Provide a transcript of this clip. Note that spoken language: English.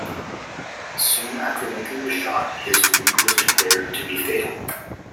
Soon after Lincoln was shot, his wound was declared to be fatal.